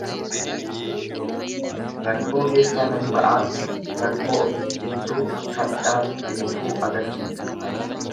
Rakkoo keessaa nan ba'aatti rakkoo ofitti cimsuu Kan caalutti dhufuu agarsisa.